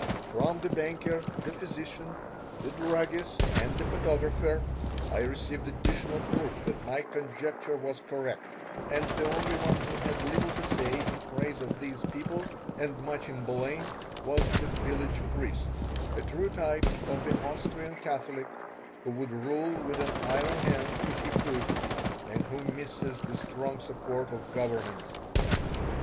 From the banker, the physician, the druggist, and the photographer, I received additional proof that my conjecture was correct, and the only one who had little to say in praise of these people and much in blame was the village priest, a true type of the Austrian Catholic, who would rule with an iron hand if he could, and who misses the strong support of government.